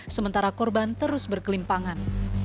sementara korban terus berkelimpangan